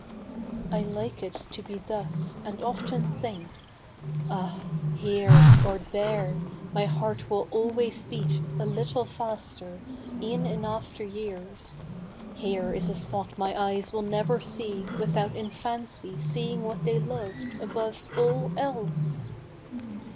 I like it to be thus, and often think '' Ah ! here^ or there^ my heart will always beat London, 99 A little faster, e'en in after years ; Here is a spot my eyes will never see Without in fancy seeing what they loved Above all else